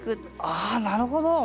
ああなるほど。